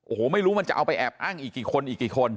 โอ้โหไม่รู้มันจะเอาไปแอบอ้างอีกกี่คนอีกกี่คน